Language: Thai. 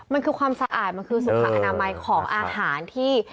มันคือความสะอาดมันคือสุขอนามัยของอาหารที่